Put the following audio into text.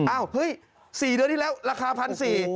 เฮ้ย๔เดือนที่แล้วราคา๑๔๐๐บาท